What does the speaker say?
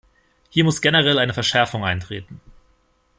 Hier muss generell eine Verschärfung eintreten.